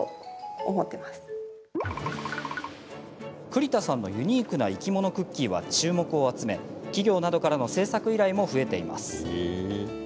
栗田さんのユニークな生き物クッキーは注目を集め企業などからの製作依頼も増えています。